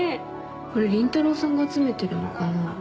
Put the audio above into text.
これ倫太郎さんが集めてるのかな？